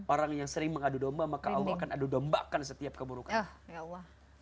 orang yang sering mengadu domba maka allah akan adu dombakan setiap keburukan